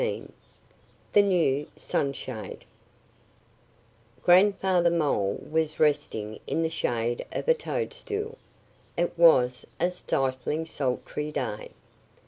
XIV THE NEW SUNSHADE GRANDFATHER MOLE was resting in the shade of a toadstool. It was a stifling, sultry day.